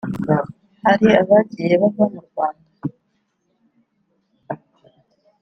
hari abagiye bava mu Rwanda